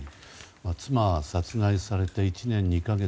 妻が殺害されて１年２か月。